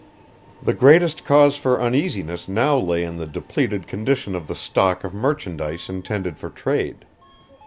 The greatest cause for uneasiness now lay in the depleted condition of the stock of merchandise intended for trade.